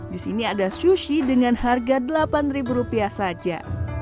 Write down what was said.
disini ada sushi dengan harga delapan ribu rupiah saja